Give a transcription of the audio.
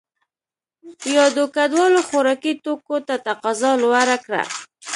یادو کډوالو خوراکي توکو ته تقاضا لوړه کړه.